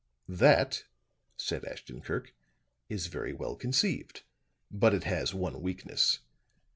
"That," said Ashton Kirk, "is very well conceived. But it has one weakness.